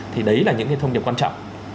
thì đấy là những cái thông điệp quan trọng